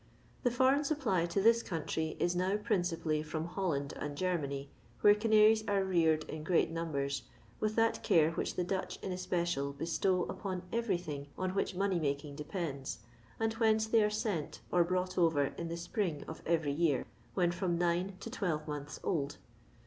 The foreign supply to this country is now prin cipally from Holland and Germany, where canaries are reared in great numbers, with that care which the Dutch in especial bestow upon everything on which money making depends, and whence they are sent or brought over in the spring of every year, when from nine to twelve months old.